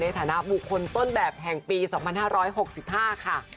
ฐานะบุคคลต้นแบบแห่งปี๒๕๖๕ค่ะ